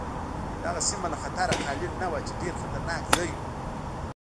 دغه سیمه له خطره خالي نه وه چې ډېر خطرناک ځای و.